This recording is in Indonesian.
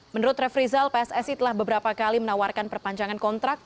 menurut ref rizal pssi telah beberapa kali menawarkan perpanjangan kontrak